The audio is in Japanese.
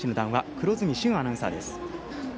黒住駿アナウンサーです。